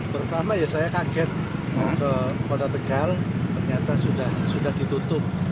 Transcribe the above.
pertama ya saya kaget ke kota tegal ternyata sudah ditutup